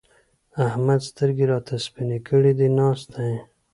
احمد سترګې راته سپينې کړې دي؛ ناست دی.